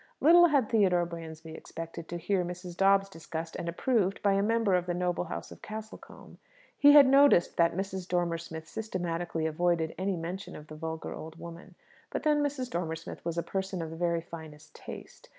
Little had Theodore Bransby expected to hear Mrs. Dobbs discussed and approved by a member of the noble house of Castlecombe. He had noticed that Mrs. Dormer Smith systematically avoided any mention of the vulgar old woman. But then Mrs. Dormer Smith was a person of the very finest taste.